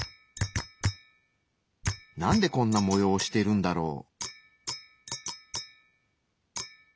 なんでこんな模様をしてるんだろう？